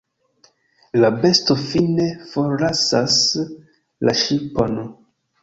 La besto fine forlasas la ŝipon.